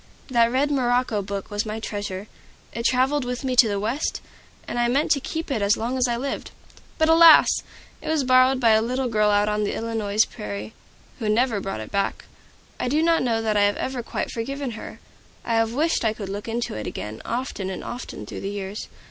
That red morocco book was my treasure. It traveled with me to the West, and I meant to keep it as long as I lived. But alas! it was borrowed by a little girl out on the Illinois prairies, who never brought it back. I do not know that I have ever quite forgiven her. I have wished I could look into it again, often and often through the years.